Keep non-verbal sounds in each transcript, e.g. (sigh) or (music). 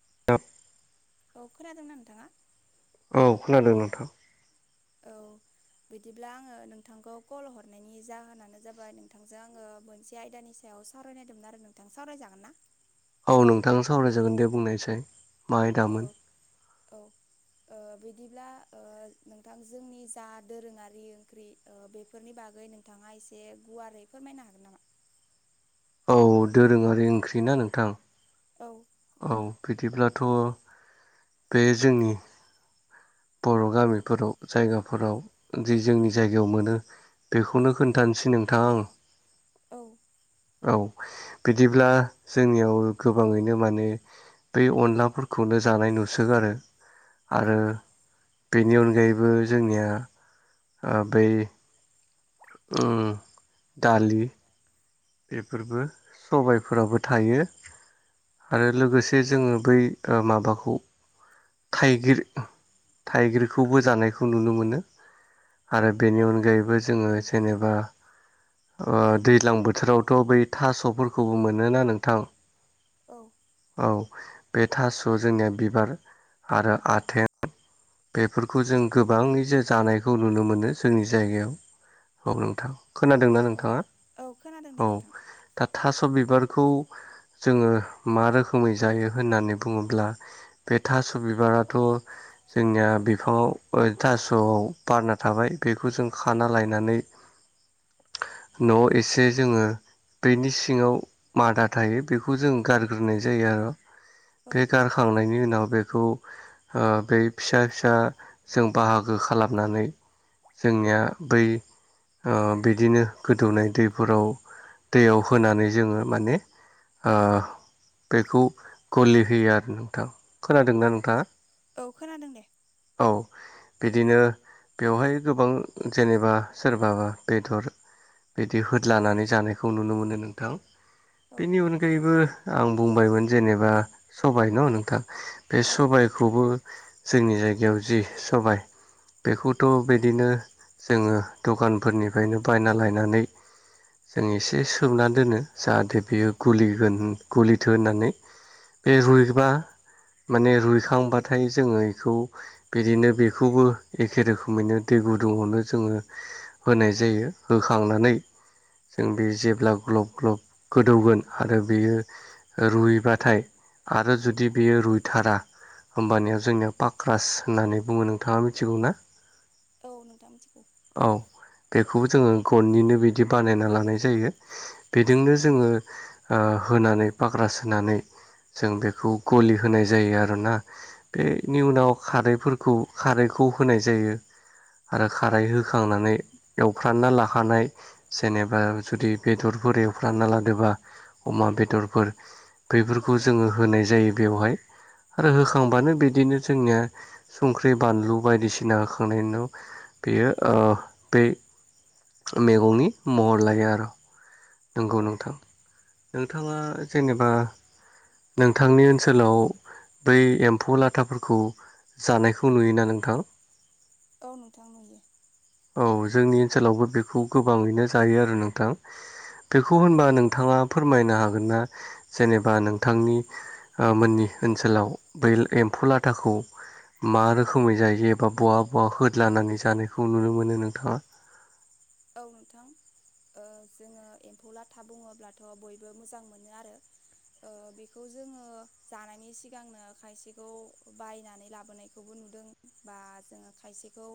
(unintelligible) औ खोनादोंना नोंथाङा? औ खोनादों नोंथां। औ। बिदिब्ला आङो नोंथांखौ कल हरनायनि जाहोनानो जाबाय नोंथांजों आङो मोनसे आयदानि सायाव सायाव सावरायनायदोंमोन आरो नोंथां सावरायजागोन ना? औ नोंथां सावरायजागोन दे बुंनायसै। औ औ। ओ बिदिब्ला नोंथां जोंनि जा दोरोङारि ओंख्रि ओ बेफोरनि बागै नोंथाङा एसे गुवारै फोरमायनो हागोन नामा औ दोरोङारि ओंख्रि ना नोंथां औ औ बिदिब्लाथ' बे जोंनि बर' गामिफोराव जायगाफोराव जि जोंनि जायगायाव मोनो बेखौनो खोन्थानोसै नोंथां आं। औ। औ। बिदिब्ला जोंनियाव गोबाङैनो माने बे अनलाफोरखौनो जानाय नुसोगारो। आरो बेनि अनगायैबो जोंनिया ओ‌ बै ओम दालि, बेफोरबो सबायफोराबो थायो‌, आरो लोगोसे जोङो बै माबाखौ थाइगिर-थाइगिरखौबो जानायखौ नुनो मोनो‌। आरो बेनि औ अनगायैबो जोङो जेनेबा दैज्लां बो थोरावथ' बै थास'फोरखौबो मोनोना नोंथां। औ। औ बे थास' जोंनिया बिबार आरो आथें बेफोरखौ जों गोबाङै जानायखौ नुनो मोनो जोंनि जायगायाव‌। औ नोंथां। खोनादोंना औ नोंथाङा? औ खोनादों दे औ नोंथां। थास' बिबारखौ जोङो मा रोखोमै जायो होननानै बुङोब्ला बे थास' बिबाराथ' जोंनिया बिफाङाव थास'आव बारना थाबाय बेखौ जों खाना लायनानै (inaudible) न'वाव इसे जोङो बेनि सिङाव मादा थायो बेखौ जों गारग्रोनाय जायो आरो औ बे गारखांनायनि उनाव बेखौ ओ‌ बे फिसा फिसा जों बाहागो खालामनानै जोंनिया बै ओ बिदिनो गोदौनाय दै फोराव दैयाव होनानै जोङो माने ओ बेखौ गलि होयो आरो नोंथां। औ खोनादोंना नोंथा? औ खोनादों दे औ। बिदिनो बेवहाय गोबां जेनेबा सोरबाबा बेदर, बिदि होद्लानानै जानायखौ नुनो मोनो नोंथां। औ बेनि अनगायै बो आं बुंबायमोन जेनेबा सबाइ न नोंथां, बे औ सबाइखौ बेखौबो जोंनि जायगायाव जि सबाइ बेखौथ' बिदिनो जोङो दखानफोरनिफ्रायनो बायना लायनानै जों एसे सोमना दोनो जाहाथे बेयो गुलिगोन गुलिथो होननानै बे रुइबा माने रुइखांबाथाय जोङो बेखौ बिदिनो बेखौबो एखे रोखोमैनो दै गुदुङावनो जोङो होनाय जायो, होखांनानै जों बे जेब्ला ग्लब - ग्लब गोदौगोन आरो बेयो रुइबाथाय आरो जुदि बेयो रुइथारा होमबानिया जोंनियाव पाक्रास होननानै बुङो। नोंथाङा मिथिगौ ना! औ नोंथां मिथिगौ। औ, बेखौबो जोङो गननिनो बिदि बानायना लानाय जायो। बेजोंनो जोङो होनानै फाग्रास होनानै जों बेखौ गलि होनाय जायो आरोना। बेनि उनाव खारैफोरखौ खारैखौ होनाय जायो। आरो खारै होखांनानै एवफ्रामना लाखानाय जेनेबा जुदि बेदरफोर एवफ्रामना लादोबा, अमा बेदरफोर बेफोरखौ जोङो होनाय जायो बेवहाय। आरो होखांबानो बिदिनो जोंनिया संख्रि- बानलु बायदिसिना होखांनायनि उनाव बेयो ओ बै मैगंनि महर लायो आरो। नंगौ औ नोंथां। नोंथाङा जेनेबा नोंथांनि ओनसोलाव बै एम्फौ लाथाफोरखौ जानायखौ नुयोना नोंथां? औ, नोंथां नुयो। औ, जोंनि ओनसोलावबो बेखौ गोबाङैनो जायो आरो नोंथां। औ बेखौ होनबा नोंथाङा फोरमायनो हागोन ना? जेनेबा नों -थांनि मोननि ओनसोलाव बै एम्फौ लाथाखौ मा रोखोमै जायो एबा बहा - बहा होदलानानै जानायखौ नुनो मोनो? नोंथाङा औ, नोंथां। ओ जोङो एम्फौ लाथा बुङोब्लाथ' बयबो मोजां मोनो आरो। ओ बेखौ जोङो जानायनि सिगांनो खायसेखौ बायनानै लाबोनायखौबो नुदों। बा जोङो खायसेखौ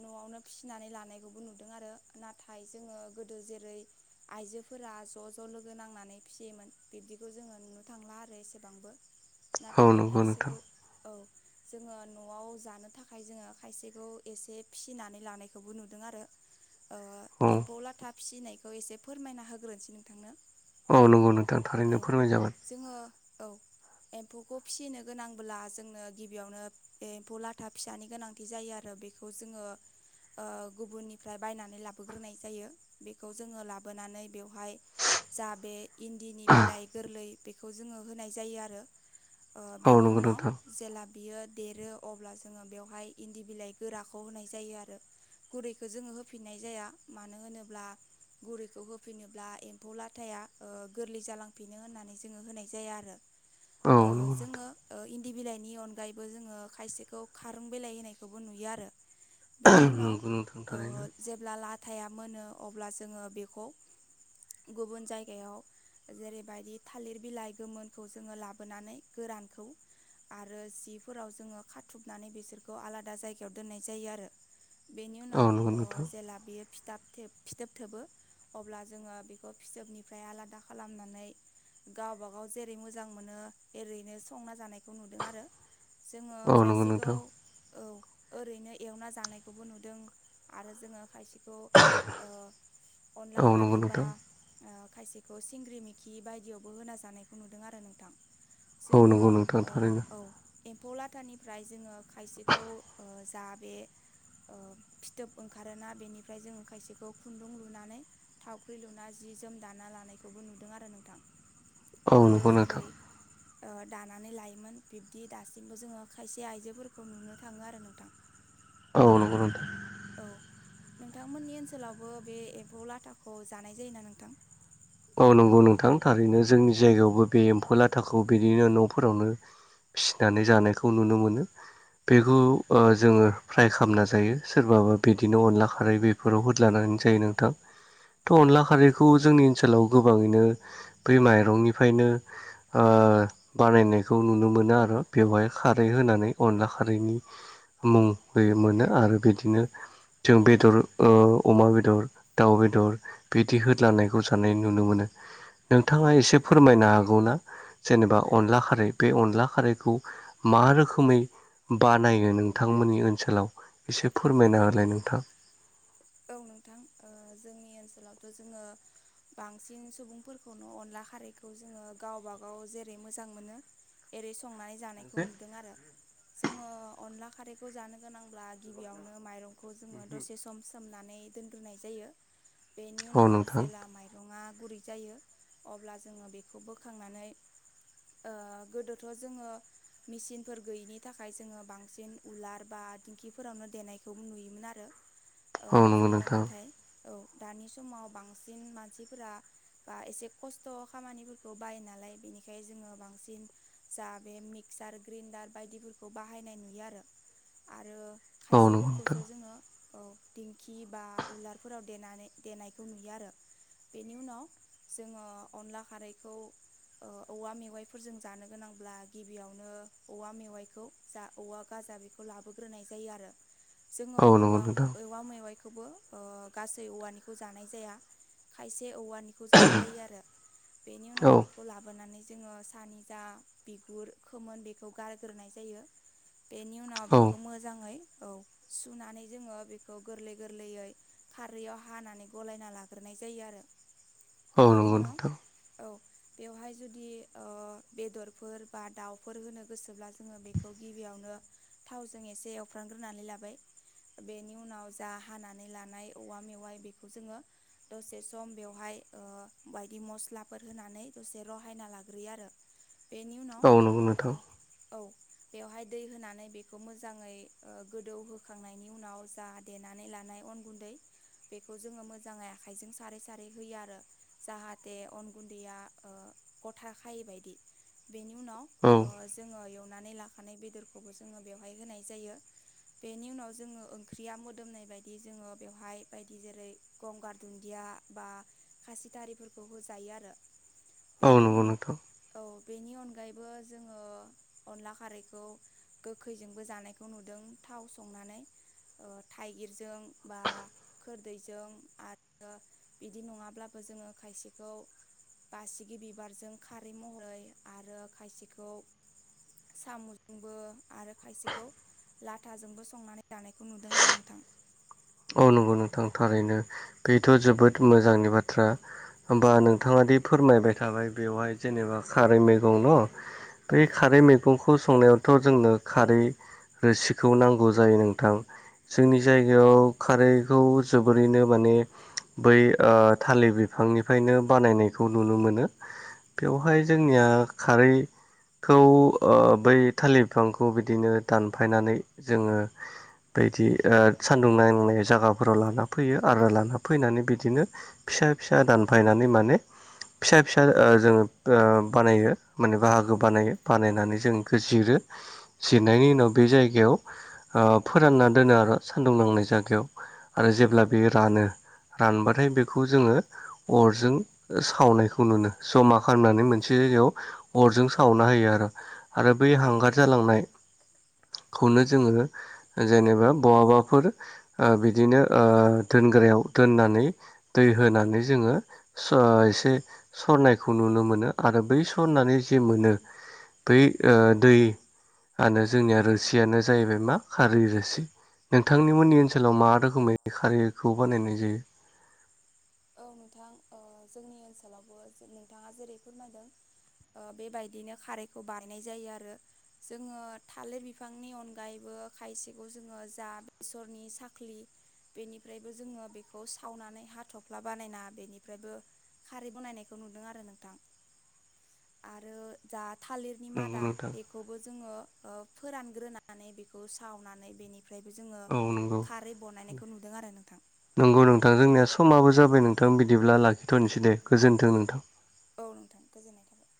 न'आवनो फिसिनानै लानायखौबो नुदों आरो। नाथाय जोङो गोदो जेरै आइजोफोरा ज' ज' लोगो नांनानै फिसियोमोन। बिब्दिखौ जोङो नुनो थांला आरो एसेबांबो। औ नाथाय नंगौ नोंथां खायसेखौ औ, ‌जोङो न'आव जानो थाखाय जोङो खायसेखौ एसे फिसिनानै लानाय बेखौबो नुदों आरो ओ औ एम्फौ लाथा फिसिनायखौ एसे फोरमायना होग्रोनोसै नोंथांनो। औ, नंगौ नोंथां औ थारैनो फोरमाय जागोन। जोङो औ एम्फौखौ फिसिनो गोनांब्ला जोंनो गिबियावनो एम्फौ लाथा फिसानि गोनांथि जायो आरो। बे बेखौ जोङो ओ गुबुननिफ्राय बायनानै लाबोग्रोनाय जायो। बेखौ जोङो लाबोनानै बेवहाय जा बे इन्दिनि बिलाइ गोरलै बेखौ जोङो होनाय जायो आरो। ओ औ बेनि नंगौ उनाव नोंथां जेला बियो देरो अब्ला जोङो बेवहाय इन्दि बिलाइ गोराखौ होनाय जायो आरो। गुरैखौ जोङो होफिननाय जाया। मानो होनोब्ला गुरैखौ होफिनोब्ला एम्फौ लाथाया ओ गो गोरलै जालांफिनो होननानै जोङो होनाय जाया आरो। औ ओ नंगौ नोंथां जोङो ओ इन्दि बिलाइनि अनगायैबो जोङो खायसेखौ खारुं बिलाइ होनायखौबो नुयो आरो। बेनि उनाव नंगौ नोंथां ओ थारैनो जेब्ला लाथाया मोनो अब्ला जोङो बेखौ गुबुन जायगायाव जेरैबायदि थालिर बिलाइ गोमोनखौ जोङो लाबोनानै गोरानखौ आरो जिफोराव जोङो खाथुबनानै बिसोरखौ आलादा जायगायाव दोननाय जायो आरो। बेनि औ उनाव नंगौ ओ नोंथां जेला बेयो फि -थाब फिथोब थोबो अब्ला जोङो बेखौ फिथोबनिफ्राय आलादा खालामनानै गावबा-गाव जेरै मोजां मोनो एरैनो संना जानायखौ नुदों आरो। जोङो औ नंगौ खायसेखौ नोंथां औ ओरैनो एवना जानायखौबो नुदों आरो जोङो खायसेखौ ओ अनला औ नंगौ खारै बा नोंथां ओ खायसे -खौ सिंग्रि मिखि बायदियावबो होना जानायखौ नुदों आरो नोंथां। औ जोङो नंगौ नोंथां ओ थारैनो औ। एम्फौ लाथानिफ्राय जोङो खायसेखौ ओ जा बे ओ फिथोब ओंखारोना बेनिफ्राय जोङो खायसेखौ खुन्दुं लुनानै थावख्रि लुना जि जोम दाना लानायखौ -खौबो नुदों आरो नोंथां। औ गोदो नंगौ नोंथां जेरै ओ दानानै लायोमोन। बिब्दि दासिमबो जोङो खायसे आइजोफोरखौ नुनो थाङो आरो नोंथां। औ, नंगौ नोंथां। औ, नोंथांमोननि ओनसोलावबो बे एम्फौ लाथाखौ जानाय जायोना नोंथां? औ नंगौ नोंथां थारैनो जोंनि जायगायाव बे एम्फौ लाथाखौ बेनिनो नफोरावनो फिनानै जानायखौ नुनो मोनो। बेखौ जोङो फ्राय खालामना जायो सोरबाबा बिदिनो अनला खारै बे बेफोराव हो लानानै जायो नोंथां। (inaudible) थ' अनला खारैखौ जोंनि ओनसोलाव गोबाङैनो बे मा ओ बानायनायखौ नुनो मोनो आरो बेवहाय खारै होनानै अनला खारैनि मुं मोनो आरो बिदिनो जों बेदर अमा बेदर दाउ बेदर बिदि हो्लानायखौ जों नुनो मोनो नोंथाङा एसे औ फोरमायनो हागोन गौना जेनेबा अनला खारै बे अनला खारैखौ मा रोखोमै बानायो नोंथांमोननि ओनसोलाव एसे फोरमायना होलाय नोंथां। औ नोंथां जोंनि ओनसोलावथ' जोङो बांसिन सुबुंफोरखौनो अनला खारैखौ जोङो गावबाागाव जेरै मोजां मोनो। एरै संनानै जानायखौ नुदों आरो जोंओ अनला खारैखौ जानो गोनांब्ला गिबियावनो माइरं जोंडो दसे सम सोमनानै दोनगोरनाय जायो बेनि औ उनाव नोंथां जेला माइरं माइरङा गुरै जायो अब्ला जोङो बेखौ बोखांनानै ओ गोदोथ' जोङो मेसिनफोर गैयैनि थाखाय जोंडो बांसिन उलार बा थिंखिफोरावनो देनायखौ नुयोमोन आरो। औ नंगौ जोङो नोंथां नाथाय औ दानि समाव बांसिन मानसिफोरा बा एसे खस्थ' जा बे मिक्सार ग्रेन्डार बायदिफोरखौ बाहायनाय नुयो आरो। आरो औ नंगौ नोंथां खायसेफोरखौसो जोङो औ। दिंखि बा उलारफोराव देनानै देनायखौ नुयो आरो। बेनि उनाव जोङो अनला खारैखौ औवा मेवाइफोरजों जानो गोनांब्ला गिबियावनो औवा मेवाइखौ जा औवा गाजा बेखौ लाबोग्रोनाय जायो आरो जोङो औ नंगौ औवा नोंथां औवा मेवाइखौबो ओ गासै औवानिखौ जानाय जाया, खायसे औवानि बेखौ जानाय जायो आरो बेनि औ उनाव बेखौ खौ लाबोनानै जोङो सानिजा बिगुर खोमोन बेखौ गारग्रोनाय जायो। बेनि उनाव औ बेखौ मोजाङै औ सुनानै जोङो बे खौ गोरलै गोरलैयै खारैयाव हानानै गलायना लाग्रोनाय जायो आरो। औ बेनि नंगौ उनाव नोंथां औ बेवहाय जुदि ओ बेदरफोर बा दाउफोर होनो गोसोब्ला जोङो बेखौ गिबियावनो थावजों एसे एवफ्रांग्रोनानै लाबाय बेनि नि उनाव जा हानानै लानाय औवा मेवाइ बेखौ जोङो दसे सम बेवहाय ओ बायदि मस्लाफोर होनानै दसे रहायना लाग्रोयो आरो। बेनि उनाव औ नंगौ ओ नोंथां औ बेवहाय दै होनानै बेखौ मोजाङै गोदौहोखांनायनि उनाव जा देनानै लानाय अन गुन्दै बेखौ जोङो मोजाङै आखाइजों सारै सारै होयो आरो जाहाथे अन गुन्दैया ओ गथा खायै बायदि बेनि उनाव औ जोङो एवनानै लाखानाय बेदरखौबो जोङो बेवहाय होनाय जायो। बेनि उनाव जोङो ओं- ओंख्रिया मोदोमनाय बायदि जोङो बेवहाय बायदि जेरै गंगार दुन्दिया बा खासिथारिफोरखौ होजायो आरो औ बेनि नंगौ उन नोंथां औ बेनि अनगायैबो जोङो अनला खारैखौ गोखैजोंबो जानाय बेखौ नुदों थाव संनानै थाइगिरजों बा खोरदैजों आरो बिदि नङाब्लाबो जोङो खायसेखौ बासिगि बिबारजों खारै महरै आरो खायसेखौ साम'जोंबो आरो खायसेखौ लाथाजोंबो संनानै जानाय- खौ नुदों आरो नोंथां। औ नंगौ नोंथां थारैनो बेथ' जोबोद मोजांनि बाथ्रा। होमबा औ नोंथाङादि फोरमायबाय थाबाय बेवहाय जेनेबा खारै मैगं न' बे खारै मै- खौ संनायावथ' जोंनो खारै रोसिखौ नांगौ जायो नोंथां। जोंनि जायगायाव खारैखौ जोबोरैनो माने औ बै ओ थालिर बिफांनिफ्रायनो बानायनायखौ नुनो मोनो। बेवहाय जोंनिया खारै- खौ ओ बै थालिर बिफांखौ बिदिनो दानफायनानै जोङो बेदि ओ सान्दुं नांनाय जायगाफोराव लाना फैयो आरो लाना फैनानै बिदिनो फिसा फिसा दानफायनानै माने फिसा फिसा ओ जोङो ओ बानायो माने बाहागो बानायो बानायनानै जों जिरो जिरनायनि उनाव बे जायगायाव ओ फोरानना दोनो आरो सान्दुं नांनाय जायगायाव। आरो जेब्ला बेयो रानो रानबाथाय बेखौ जोङो अरजों सावनायखौ नुनो जमा खालामनानै मोनसे जायगायाव अरजों सावना होयो आरो आरो बै हांगार जालांनाय खौनो जोङो जेनेबा बहाबाफोर ओ बिदिनो ओ दोनग्रायाव दोननानै दै होनानै जोङो (unintelligible) एसे सरनायखौ नुनो मोनो आरो बै सरनानै जि मोनो बै ओ दै आरो जोंनिया रोसियानो जाहैबाय मा खारै रोसि। नोंथांनि मोननि ओन सोलाव मा रोखोमै खारिखौ बानायनाय जायो? औ नोंथां ओ जोंनि ओनसोलावबो नोंथाङा जेरै फोरमायदों ओ बेबायदिनो खारैखौ बानायनाय जायो आरो जोङो थालिर बिफांनि अनगायैबो खायसेखौ जोङो जा बेसरनि साख्लि बेनिफ्रायबो जोङो बेखौ सावनानै हा- थफ्ला बानायना बेनिफ्रायबो खारै बानायनायखौ नुदों आरो नोंथां। आरो जा थालिरनि नंगौ मादा नोंथां बेखौ- बो जोङो ओ फोरानग्रोनानै बेखौ सावनानै बेनि- ओमफ्रायबो जोङो औ नंगौ खारै बनायनायखौ नुदों आरो नोंथां। नंगौ नोंथां जोंनिया समाबो जाबाय नोंथां बिदिब्ला लाखिथ'नोसै दे गोजोन्थों नोंथां। औ नोंथां गोजोननाय थाबाय।